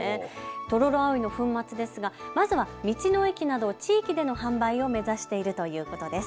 トロロアオイの粉末ですがまずは道の駅など地域の販売を目指しているということです。